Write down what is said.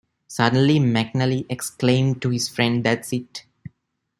Suddenly, McNally exclaimed to his friend, That's it!